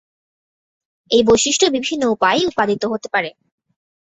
এই বৈশিষ্ট্য বিভিন্ন উপায়ে উৎপাদিত হতে পারে।